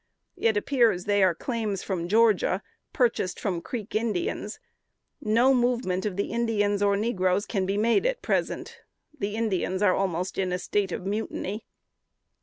It appears they are claims from Georgia, purchased from Creek Indians. No movement of the Indians or negroes can be made at present. The Indians are almost in a state of mutiny."